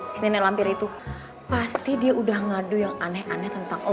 si nenek lampir itu pasti dia udah ngadu yang aneh aneh tentang allah